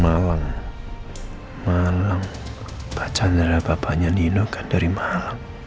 malang malang pak chandra bapaknya nino kan dari malang